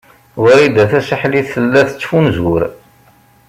Wrida Tasaḥlit tella tettfunzur.